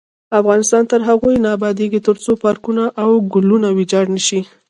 افغانستان تر هغو نه ابادیږي، ترڅو پارکونه او ګلونه ویجاړ نشي.